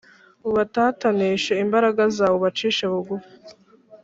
Ubatatanishe imbaraga zawe ubacishe bugufi